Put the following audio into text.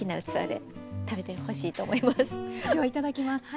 ではいただきます。